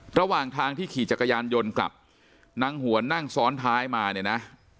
ระหว่างทางที่ขี่จักรยานยนต์กลับนางหวนนั่งซ้อนท้ายมาเนี่ยนะ